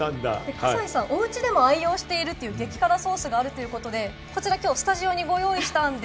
河西さん、おうちでも愛用している激辛ソースがあるということで、こちらスタジオにもご用意しました。